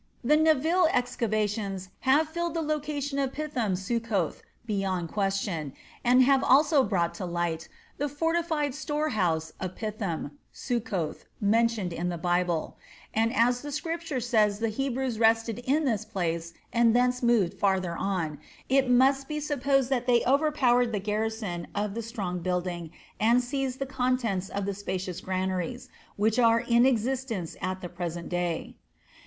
The Naville excavations have fixed the location of Pithom Succoth beyond question, and have also brought to light the fortified store house of Pithom (Succoth) mentioned in the Bible; and as the scripture says the Hebrews rested in this place and thence moved farther on, it must be supposed that they overpowered the garrison of the strong building and seized the contents of the spacious granaries, which are in existence at the present day.